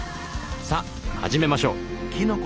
さあ始めましょう。